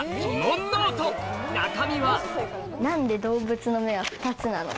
「何で動物の目は２つなの？」。